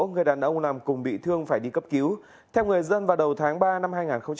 người đàn ông làm cùng bị thương phải đi cấp cứu theo người dân vào đầu tháng ba năm hai nghìn hai mươi